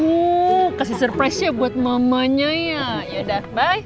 oh kasih surprise nya buat mamanya ya yaudah bye